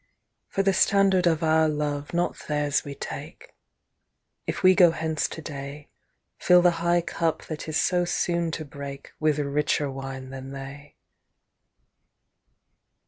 For the standard of our love not theirs we take: If we go hence to day, Fill the high cup that is so soon to break With richer wine than they!